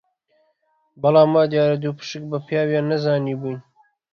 بەڵام وا دیار بوو دووپشک بە پیاویان نەزانیبووین